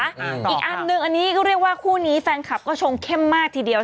อีกอันหนึ่งอันนี้ก็เรียกว่าคู่นี้แฟนคลับก็ชงเข้มมากทีเดียว